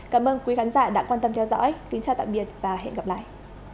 cảm ơn quý khán giả đã quan tâm theo dõi kính chào tạm biệt và hẹn gặp lại